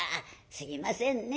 すいませんね。